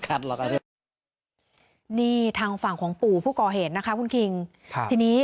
ขัดหรอกนี่ทางฝั่งของปู่ผู้ก่อเหตุนะคะคุณคิงที่นี้